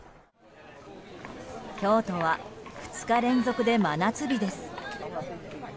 京都は２日連続で真夏日です。